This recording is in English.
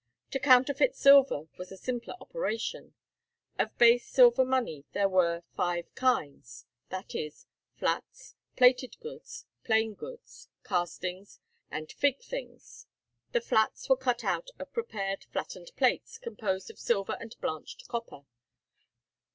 To counterfeit silver was a simpler operation. Of base silver money there were five kinds; viz. flats, plated goods, plain goods, castings, and fig things. The flats were cut out of prepared flattened plates composed of silver and blanched copper.